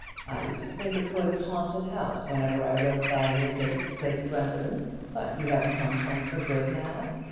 I used to think of Hood's haunted house whenever I rode by your gates, Lady Gwendoline. But you have come home for good now?